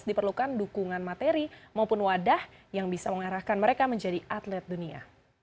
diperlukan dukungan materi maupun wadah yang bisa mengarahkan mereka menjadi atlet dunia